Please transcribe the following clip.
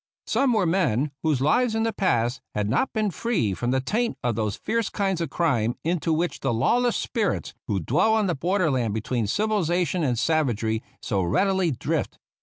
Some were men whose lives in the past had not been free from the taint of those fierce kinds of crime into which the lawless spirits who dwell on the border land be tween civilization and savagery so readily drift.